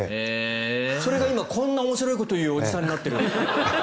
それが今こんな面白いことを言うおじさんになっている。